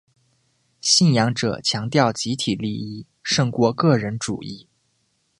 信仰者强调集体利益胜过个人主义。